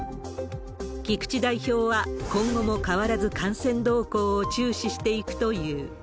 菊池代表は、今後も変わらず感染動向を注視していくという。